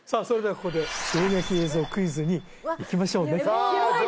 それではここで衝撃映像クイズにいきましょうねさあ